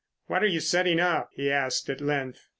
"What are you setting up?" he asked at length.